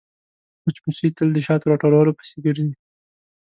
مچمچۍ تل د شاتو راټولولو پسې ګرځي